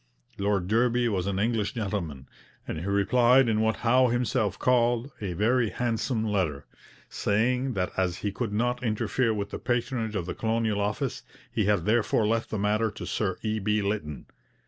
Lord Derby was an English gentleman, and he replied in what Howe himself called 'a very handsome letter,' saying that as he could not interfere with the patronage of the Colonial Office, he had therefore left the matter to Sir E. B. Lytton.